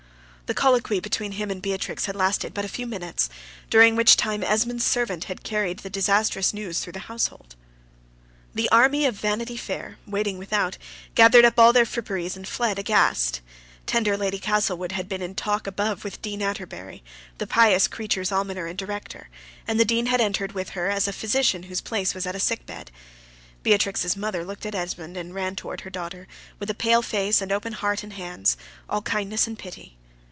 The colloquy between him and Beatrix had lasted but a few minutes, during which time Esmond's servant had carried the disastrous news through the household. The army of Vanity Fair, waiting without, gathered up all their fripperies and fled aghast. Tender Lady Castlewood had been in talk above with Dean Atterbury, the pious creature's almoner and director; and the Dean had entered with her as a physician whose place was at a sick bed. Beatrix's mother looked at Esmond and ran towards her daughter, with a pale face and open heart and hands, all kindness and pity.